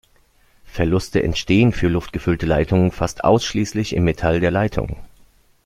Verluste entstehen für luftgefüllte Leitungen fast ausschließlich im Metall der Leitung.